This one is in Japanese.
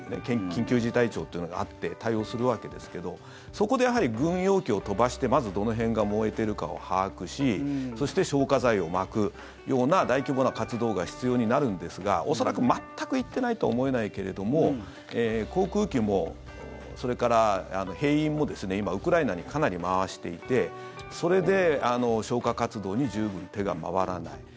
緊急事態庁っていうのがあって対応するわけですけどそこでやはり軍用機を飛ばしてまず、どの辺が燃えているかを把握しそして消火剤をまくような大規模な活動が必要になるんですが恐らく全く行ってないとは思えないけれども航空機も、それから兵員も今、ウクライナにかなり回していてそれで消火活動に十分、手が回らない。